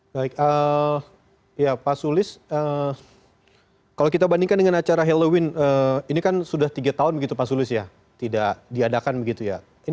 baik ya pak sulis kalau kita bandingkan dengan acara halloween ini kan sudah tiga tahun begitu pak sulis ya tidak diadakan begitu ya